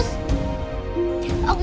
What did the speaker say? tante aku mau